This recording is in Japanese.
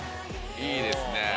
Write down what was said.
いいですね。